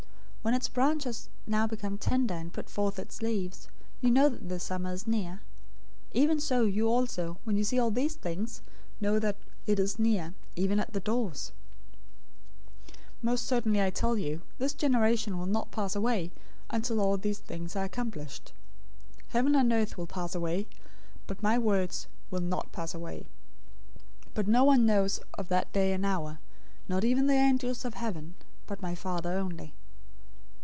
When its branch has now become tender, and puts forth its leaves, you know that the summer is near. 024:033 Even so you also, when you see all these things, know that it is near, even at the doors. 024:034 Most certainly I tell you, this generation{The word for "generation" (genea) can also be translated as "race."} will not pass away, until all these things are accomplished. 024:035 Heaven and earth will pass away, but my words will not pass away. 024:036 But no one knows of that day and hour, not even the angels of heaven, but my Father only.